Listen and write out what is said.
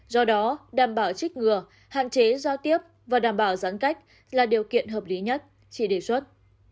do đó đảm bảo trích ngừa hạn chế giao tiếp và đảm bảo giãn cách là điều kiện hợp lý nhất chỉ đề xuất